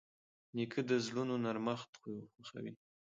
نیکه د زړونو نرمښت خوښوي.